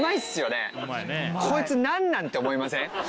こいつ何なん？って思いません？